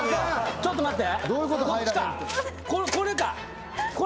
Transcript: ちょっと待って！